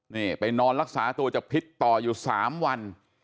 นี่ไปนอนรักษาตัวจากพิษต่ออยู่๓วัน